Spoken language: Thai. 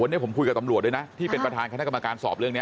วันนี้ผมคุยกับตำรวจด้วยนะที่เป็นประธานคณะกรรมการสอบเรื่องนี้